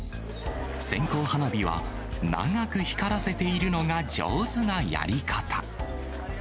線香花火は長く光らせているのが、上手なやり方。